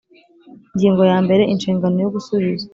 Ingingo ya mbere Inshingano yo gusubiza